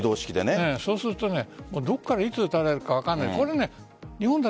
そうするとどこからいつ打たれるか分からない。